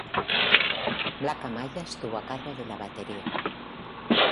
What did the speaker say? Black Amaya estuvo a cargo de la batería.